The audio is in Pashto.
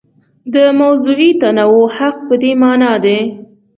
د موضوعي تنوع حق په دې مانا دی.